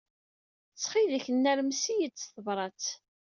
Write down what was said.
Ttxil-k, nermes-iyi s tebṛat.